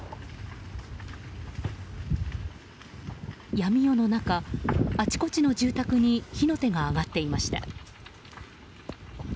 闇夜の中、あちこちの住宅に火の手が上がっていました。